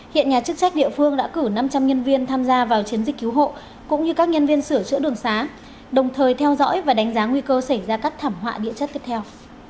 hiện nhà chức trách địa phương đã cử năm trăm linh nhân viên tham gia vào chiến dịch cứu hộ cũng như các nhân viên sửa chữa đường xá đồng thời theo dõi và đánh giá nguy cơ xảy ra các thảm họa địa chất tiếp theo